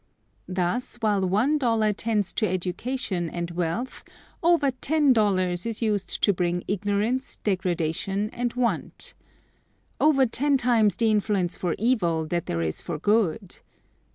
Thus, while one dollar tends to education and wealth, over ten dollars is used to bring ignorance, degradation, and want. Over ten times the influence for evil that there is for good.